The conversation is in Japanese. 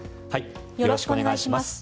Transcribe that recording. よろしくお願いします。